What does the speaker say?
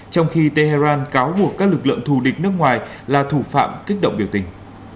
trong khi tehran cáo buộc các lực lượng thù địch nước ngoài là thủ phạm kích động biểu tình